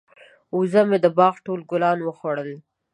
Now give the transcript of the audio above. وزه مې د باغ ټول ګلان وخوړل.